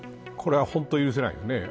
これは、本当に許せないです。